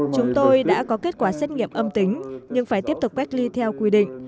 chúng tôi đã có kết quả xét nghiệm âm tính nhưng phải tiếp tục cách ly theo quy định